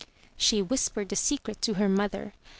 She whispered the secret to her mother.